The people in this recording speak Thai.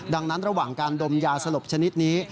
ดังนั้นระหว่างการดมยาสลบชนิดนี้